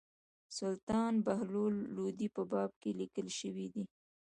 سلطان بهلول لودي په باب لیکني شوي دي.